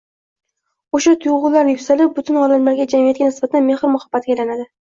Oʻsha tuygʻular yuksalib, butun odamlarga, jamiyatga nisbatan mehr-muhabbatga aylanadi.